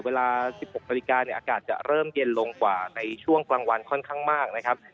เวลา๑๖นาฬิกาเนี่ยอากาศจะเริ่มเย็นลงกว่าในช่วงกลางวันค่อนข้างมากนะครับ